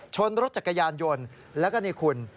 ชนรถจักรยานยนต์แล้วก็นี่คุณ